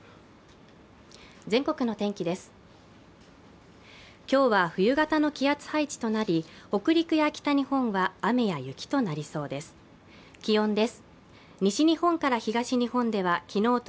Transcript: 全国の天気です。